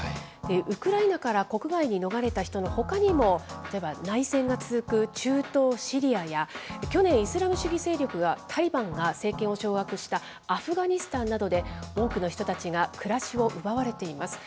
ウクライナから国外に逃れた人のほかにも、例えば内戦が続く中東シリアや、去年、イスラム主義勢力タリバンが政権を掌握したアフガニスタンなどで多くの人たちが暮らしを奪われています。